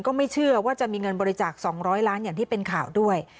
ก็ไม่เชื่อว่าจะมีเงินบริจาค๒๐๐ล้านอย่างที่เป็นข่าวด้วย